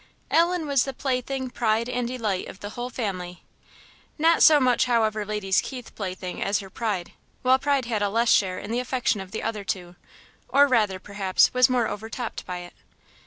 Ellen was the plaything, pride, and delight of the whole family. Not so much, however, Lady Keith's plaything as her pride; while pride had a less share in the affection of the other two, or rather, perhaps, was more over topped by it.